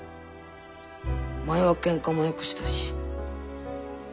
前はケンカもよくしたし。